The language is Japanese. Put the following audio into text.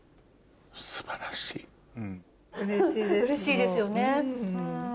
うれしいですよね。